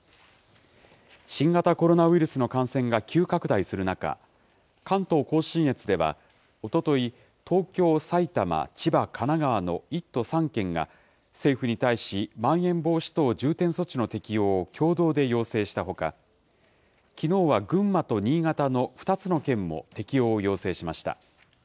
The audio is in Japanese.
新型コロナウイルスの感染が急拡大する中、関東甲信越ではおととい、東京、埼玉、千葉、神奈川の１都３県が政府に対し、まん延防止等重点措置の適用を共同で要請したほか、きのうは群馬と新潟の２つの県も適用を要請しました。